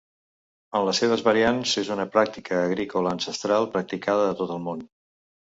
En les seves variants és una pràctica agrícola ancestral practicada a tot el món.